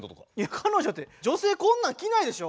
彼女って女性こんなん着ないでしょ？